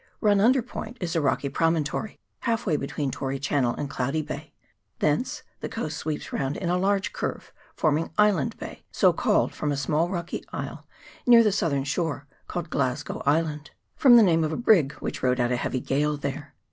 Run under Point is a rocky promontory half way between Tory Channel and CHAP. III.] WHALING HARBOURS. 97 Cloudy Bay : thence the coast sweeps round in a large curve, forming Island Bay, so called from a small rocky isle near the southern shore, called Glasgow Island, from the name of a brig which rode out a heavy gale there.